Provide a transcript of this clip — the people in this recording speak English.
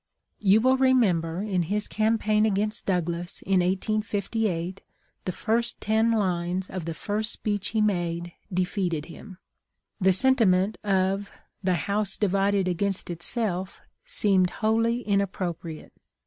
You will remember, in his campaign against Douglas in 1858, the first ten lines of the first speech he made defeated him. The sentiment of the 'house divided against itself seemed wholly inappropriate.